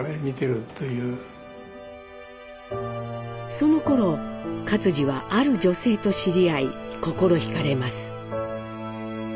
そのころ克爾はある女性と知り合い心惹かれます。